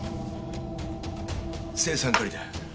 青酸カリだ。